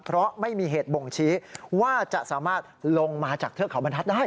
เพราะไม่มีเหตุบ่งชี้ว่าจะสามารถลงมาจากเทือกเขาบรรทัศน์ได้